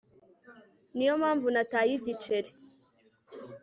Ni yo mpamvu nataye igiceri